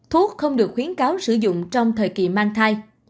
thuốc không được khuyến cáo sử dụng trong thời kỳ mang thai